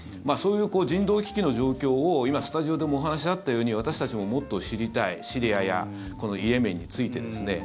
そういう人道危機の状況を今スタジオでもお話あったように私たちももっと知りたいシリアやイエメンについて。